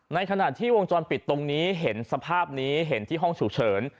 ในขณะที่วงจรปิดตรงนี้เห็นสภาพนี้เห็นที่ห้องฉุกเฉิน